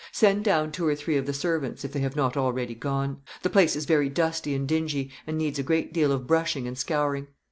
Send down two or three of the servants, if they have not already gone. The place is very dusty and dingy, and needs a great deal of brushing and scouring.